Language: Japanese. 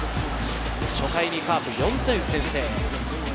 初回にカープ、４点先制。